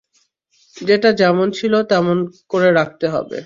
যেটা যেমন ছিল তেমন করে রাখতে হবে।